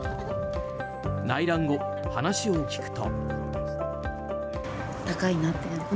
内覧後、話を聞くと。